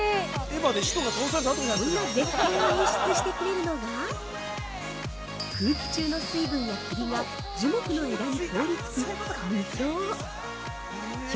◆そんな絶景を演出してくれるのが空気中の水分や霧が樹木の枝に凍りつく、霧氷。